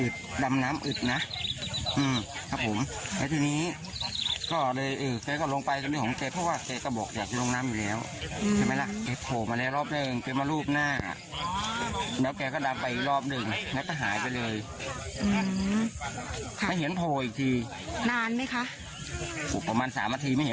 ทำผิดปกติแล้วอย่างงี้ก็เลยพากันไปงมอยู่กับ๔คน